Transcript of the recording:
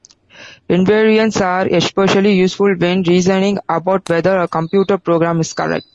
Invariants are especially useful when reasoning about whether a computer program is correct.